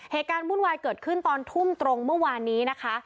วุ่นวายเกิดขึ้นตอนทุ่มตรงเมื่อวานนี้นะคะ